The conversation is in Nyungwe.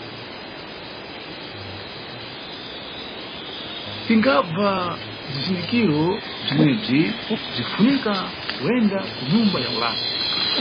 Tingabva bzizindikiro bzimwebzi, bzinʼfunika kuyenda kunyumba ya ulapi.